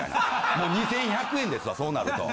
もう２１００円ですわそうなると。